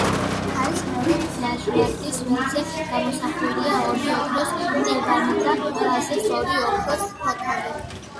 ფარის მეორე ლაჟვარდის ველზე გამოსახულია ორი ოქროს მტევანი და ვაზის ორი ოქროს ფოთოლი.